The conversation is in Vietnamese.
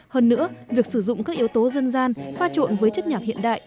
hơn nữa việc sử dụng các yếu tố dân gian pha trộn với chất nhạc hiện đại